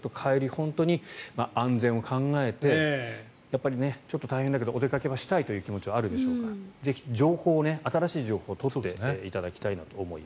本当に安全を考えてちょっと大変だけどお出かけしたいという気持ちはあるでしょうからぜひ、新しい情報を取っていただきたいなと。